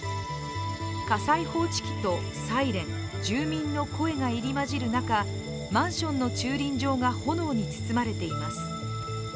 火災報知器とサイレン、住民の声が入り交じる中、マンションの駐輪場が炎に包まれています。